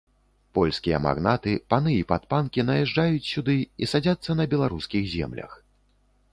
Польскія магнаты, паны і падпанкі наязджаюць сюды і садзяцца на беларускіх землях.